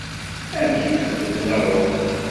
Amek i d-xeddmen aɣrum?